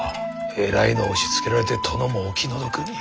えらいのを押しつけられて殿もお気の毒に。